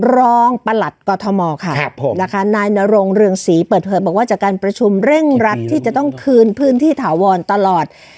ประหลัดกอทมค่ะนะคะนายนรงเรืองศรีเปิดเผยบอกว่าจากการประชุมเร่งรัดที่จะต้องคืนพื้นที่ถาวรตลอด